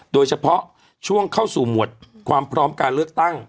โดยเฉพาะช่วงเข้าสู่หมวดความพร้อมการเลือกตั้ง